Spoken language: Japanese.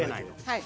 はい。